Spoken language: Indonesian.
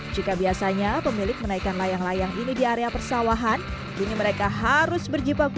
jika biasanya pemilik menaikkan layang layang ini di area persawahan kini mereka harus berjibaku